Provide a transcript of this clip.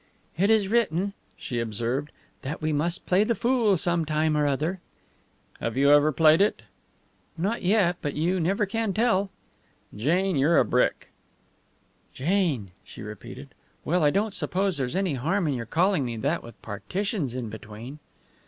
"It is written," she observed, "that we must play the fool sometime or other." "Have you ever played it?" "Not yet, but you never can tell." "Jane, you're a brick!" "Jane!" she repeated. "Well, I don't suppose there's any harm in your calling me that, with partitions in between."